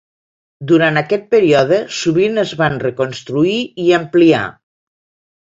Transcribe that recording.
Durant aquest període, sovint es van reconstruir i ampliar.